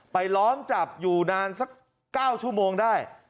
ล้อมจับอยู่นานสัก๙ชั่วโมงได้